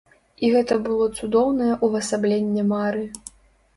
І гэта было цудоўнае ўвасабленне мары!